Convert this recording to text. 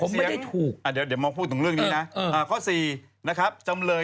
ขณะตอนอยู่ในสารนั้นไม่ได้พูดคุยกับครูปรีชาเลย